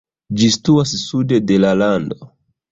Ĝi situas sude de la lando.